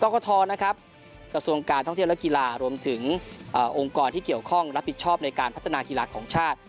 กกทนะครับกระทรวงการท่องเที่ยวและกีฬารวมถึงองค์กรที่เกี่ยวข้องรับผิดชอบในการพัฒนากีฬาของชาติ